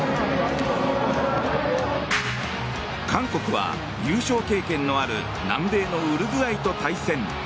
韓国は優勝経験のある南米のウルグアイと対戦。